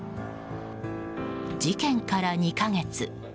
事件から２か月。